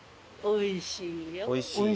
おいしい？